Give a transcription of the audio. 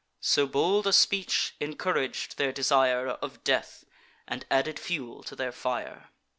So bold a speech incourag'd their desire Of death, and added fuel to their fire.